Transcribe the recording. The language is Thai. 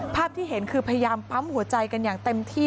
ภาพที่เห็นคือพยายามปั๊มหัวใจกันอย่างเต็มที่